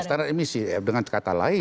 standar emisif dengan kata lain